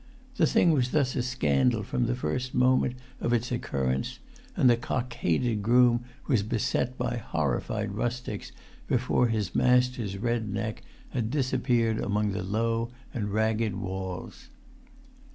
The thing was thus a scandal from the first moment of its occurrence, and the cockaded groom was beset by horrified rustics before his master's red neck had disappeared among the low and ragged walls.